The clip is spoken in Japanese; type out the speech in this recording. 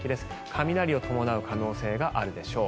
雷を伴う可能性があるでしょう。